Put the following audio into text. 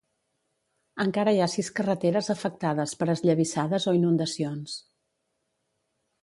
Encara hi ha sis carreteres afectades per esllavissades o inundacions.